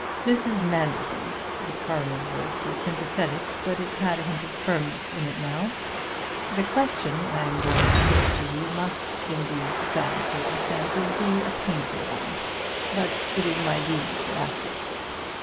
"Mrs. Manderson." The coroner's voice was sympathetic, but it had a hint of firmness in it now. "The question I am going to put to you must, in these sad circumstances, be a painful one; but it is my duty to ask it.